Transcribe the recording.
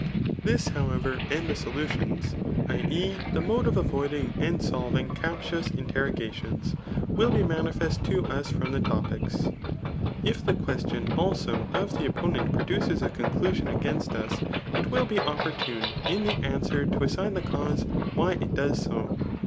This, however, and the solutions, [i. e. the mode of avoiding and solving captious interrogations,]] will be manifest to us from die Topics. If the question, also, of the opponent produces a conclusion [against us,] it will be opportune in the an swer to assign the cause why it does so.